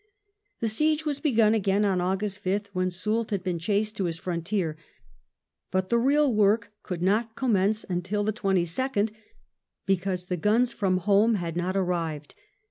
The siege was begun again on August 5th, when Soolt had been chased to his frontier, but the real work could not commence until the 22nd, because the guns from home had not arrived.